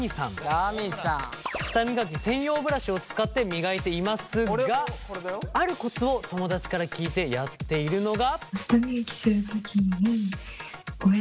舌磨き専用ブラシを使って磨いていますがあるコツを友達から聞いてやっているのが。